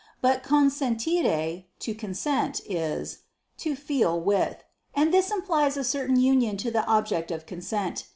But consentire (to consent) is "to feel with," and this implies a certain union to the object of consent.